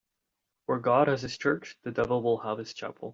Where God has his church, the devil will have his chapel.